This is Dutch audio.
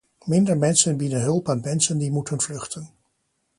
Minder mensen bieden hulp aan mensen die moeten vluchten.